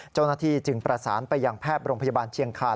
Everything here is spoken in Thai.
เจ้าหน้าที่จึงประสานไปยังแพทย์โรงพยาบาลเชียงคาร